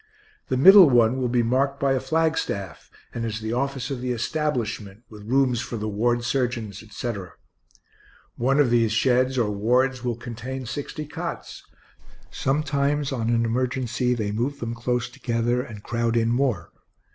The middle one will be marked by a flagstaff, and is the office of the establishment, with rooms for the ward surgeons, etc. One of these sheds, or wards, will contain sixty cots; sometimes, on an emergency, they move them close together, and crowd in more.